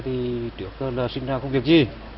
thì trước là sinh ra công việc gì